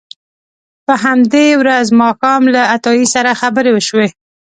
په همدې ورځ ماښام له عطایي سره خبرې وشوې.